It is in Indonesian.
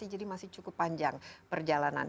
jadi masih cukup panjang perjalanan